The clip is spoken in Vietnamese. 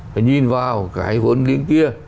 phải nhìn vào cái vốn lý kia